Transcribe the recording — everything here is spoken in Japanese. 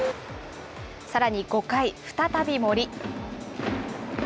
さらに５回、再び森。